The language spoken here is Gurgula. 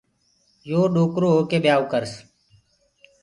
ڏوڪرو هوڪي ٻيآئو ڪرس